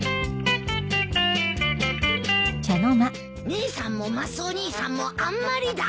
姉さんもマスオ兄さんもあんまりだ！